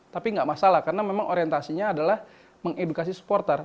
tapi tidak masalah karena orientasinya adalah mengedukasi supporter